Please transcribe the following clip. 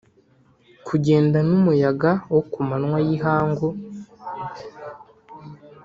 kugenda n'umuyaga wo ku manywa y'ihangu. '